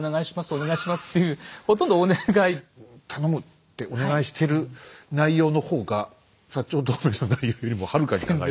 お願いしますっていう頼むってお願いしてる内容のほうが長同盟の内容よりもはるかに長いと。